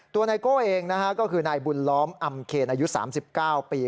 ตัวนายโก้เองก็คือนายบุญล้อมอำเคนอายุ๓๙ปี